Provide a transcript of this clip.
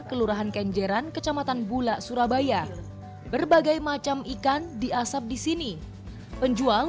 kelurahan kenjeran kecamatan bula surabaya berbagai macam ikan di asap di sini penjual